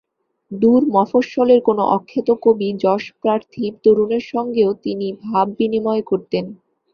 দূর মফস্বলের কোনো অখ্যাত কবি-যশঃপ্রার্থী তরুণের সঙ্গেও তিনি ভাব বিনিময় করতেন।